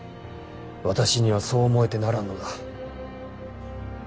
私にはそう思えてならんのだ。